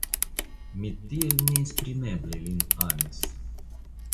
Mi tiel neesprimeble lin amis!